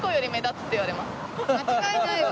間違いないわ。